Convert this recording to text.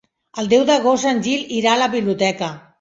El deu d'agost en Gil irà a la biblioteca.